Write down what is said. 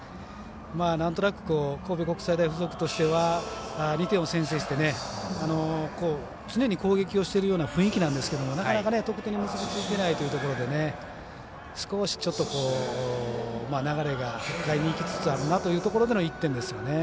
なんとなく神戸国際大付属としては２点を先制して常に攻撃をしているような雰囲気なんですけどなかなか得点に結びついていないというところで少し流れが北海にいきつつあるなというところでの１点ですよね。